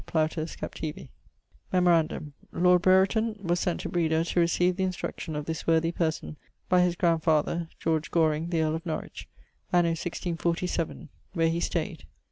PLAUTUS, Captivi. Memorandum: ... lord Brereton was sent to Breda to recieve the instruction of this worthy person, by his grandfather (George Goring, the earle of Norwich) anno 1647, where he stayed